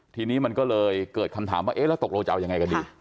ทีนี้มันก็เลยเกิดคำถามว่าเอ๊ะแล้วตกลงจะเอายังไงกันดี